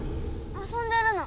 遊んでるの。